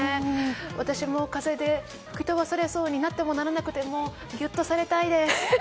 私も風で吹き飛ばされそうになっても、ならなくてもギュッとされたいです。